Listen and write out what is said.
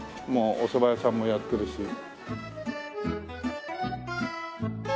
もうおそば屋さんもやってるし。